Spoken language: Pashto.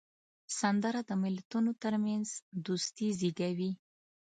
سندره د ملتونو ترمنځ دوستي زیږوي